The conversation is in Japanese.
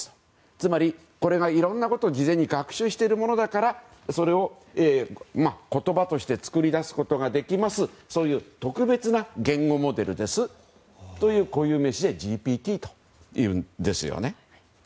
つまりこれが、いろんなことを事前に学習しているものだからそれを言葉として作り出すことができますそういう特別な言語モデルですっていうことでＧＤＰっていうんですね。